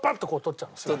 取っちゃう。